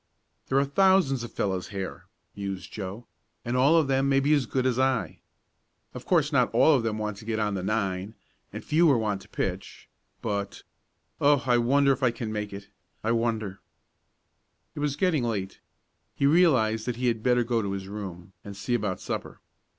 "There are thousands of fellows here," mused Joe, "and all of them may be as good as I. Of course not all of them want to get on the nine and fewer want to pitch. But Oh, I wonder if I can make it? I wonder " It was getting late. He realized that he had better go to his room, and see about supper.